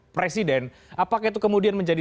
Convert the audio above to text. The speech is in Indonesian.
presiden apakah itu kemudian menjadi